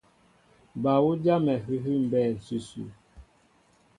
Ba' ú jámɛ hʉhʉ́ mbɛɛ ǹsʉsʉ.